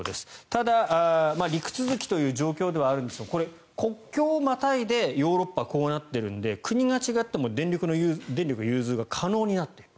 ただ、陸続きという状況ではあるんですがこれ、国境をまたいでヨーロッパはこうなっているので国が違っても電力の融通が可能になっている。